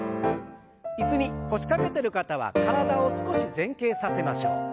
椅子に腰掛けてる方は体を少し前傾させましょう。